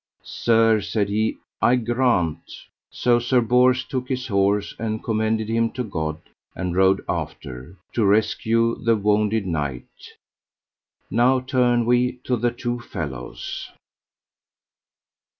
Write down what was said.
Sir, said he, I grant. So Sir Bors took his horse, and commended him to God, and rode after, to rescue the wounded knight. Now turn we to the two fellows.